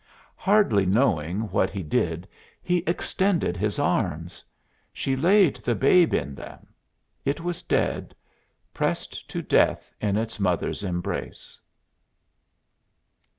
Hardly knowing what he did he extended his arms. She laid the babe in them. It was dead pressed to death in its mother's embrace.